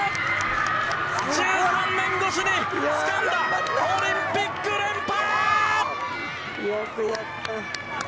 １３年越しにつかんだオリンピック連覇！